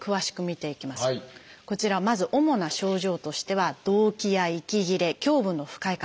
こちらまず主な症状としては動悸や息切れ胸部の不快感。